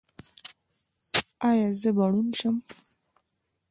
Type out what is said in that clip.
ایا زه به ړوند شم؟